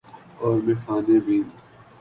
اورمیخانے بھی۔